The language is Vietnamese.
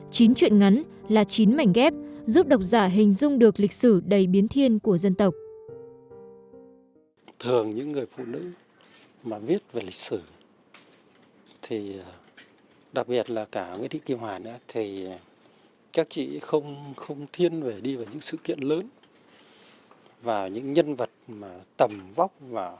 chín chuyện ngắn là chín mảnh ghép giúp độc giả hình dung được lịch sử đầy biến thiên của dân tộc